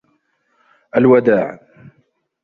الوداع.